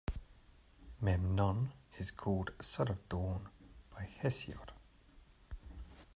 Memnon is called "son of Dawn" by Hesiod.